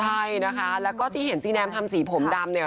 ใช่นะคะแล้วก็ที่เห็นซีแนมทำสีผมดำเนี่ย